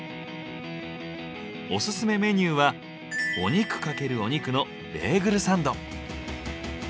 オススメメニューは「お肉×お肉」のベーグルサンド。